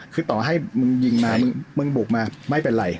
คือต่อให้มึงยิงมามึงบุกมาไม่เป็นไร